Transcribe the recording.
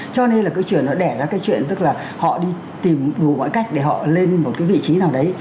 cho nên là cái chuyện nó đẻ ra cái chuyện tức là họ đi tìm đủ mọi cách để họ lên một cái vị trí nào đấy